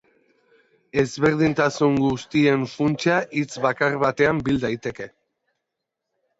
Ezberdintasun guztien funtsa hitz bakar batean bil daiteke.